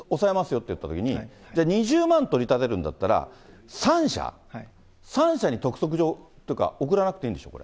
よっていったときに、じゃあ２０万取り立てるんだったら、３社、３社に督促状、送らなくていいんでしょ？